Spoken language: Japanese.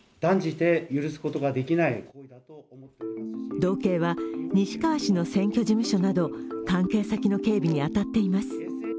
道警は西川氏の選挙事務所など関係先の警備に当たっています。